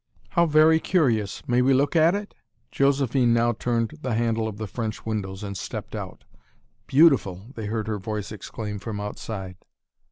"How very curious! May we look at it?" Josephine now turned the handle of the French windows, and stepped out. "Beautiful!" they heard her voice exclaim from outside.